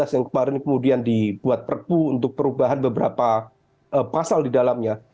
dua ribu tujuh belas yang kemarin kemudian dibuat perpu untuk perubahan beberapa pasal di dalamnya